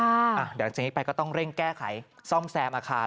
เดี๋ยวจากนี้ไปก็ต้องเร่งแก้ไขซ่อมแซมอาคาร